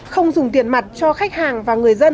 không dùng tiền mặt cho khách hàng và người dân